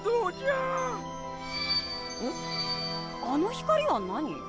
あの光は何？